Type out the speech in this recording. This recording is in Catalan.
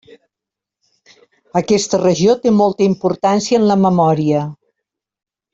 Aquesta regió té molta importància en la memòria.